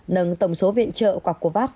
nâng tổng số viện trợ quạc covax